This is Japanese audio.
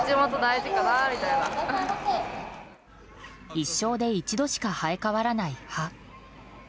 一生で一度しか生え変わらない歯。